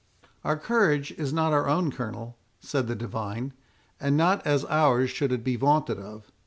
"Our courage is not our own, Colonel," said the divine, "and not as ours should it be vaunted of.